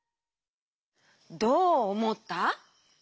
どうおもった？